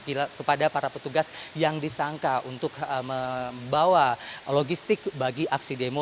kepada para petugas yang disangka untuk membawa logistik bagi aksi demo